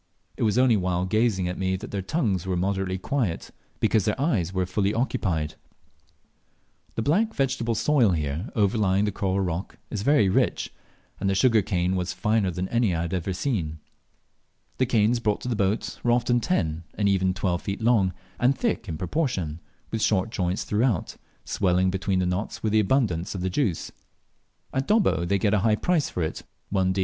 It was only while gazing at me that their tongues were moderately quiet, because their eyes were fully occupied. The black vegetable soil here overlying the coral rock is very rich, and the sugar cane was finer than any I had ever seen. The canes brought to the boat were often ten and even twelve feet long, and thick in proportion, with short joints throughout, swelling between the knots with the abundance of the rich juice. At Dobbo they get a high price for it, 1d.